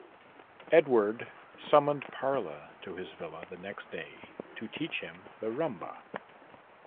Edward summoned Parla to his villa the next day to teach him the rhumba.